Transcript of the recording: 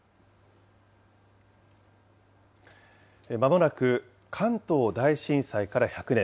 まもなく関東大震災から１００年。